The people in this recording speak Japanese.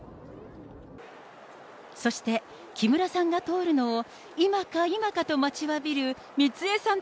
そして、木村さんが通るのを今か今かと待ちわびる美津江さん。